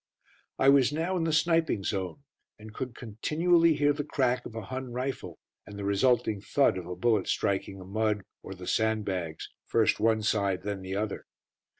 I was now in the sniping zone, and could continually hear the crack of a Hun rifle, and the resulting thud of a bullet striking the mud or the sandbags, first one side then the other.